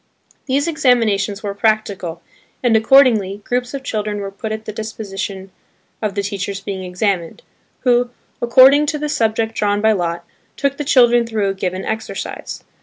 These examinations were practical, and, accordingly, groups of children were put at the disposition of the teachers being examined, who, according to the subject drawn by lot, took the children through a given exercise.